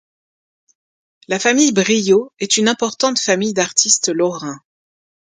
La famille Briot est une importante famille d’artistes lorrains.